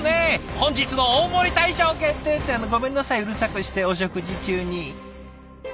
本日の大盛り大賞決定！ってごめんなさいうるさくしてお食事中に。